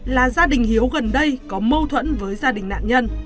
là gia đình hiếu gần đây có mâu thuẫn với gia đình nạn nhân